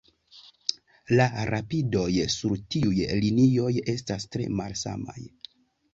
La rapidoj sur tiuj linioj estas tre malsamaj.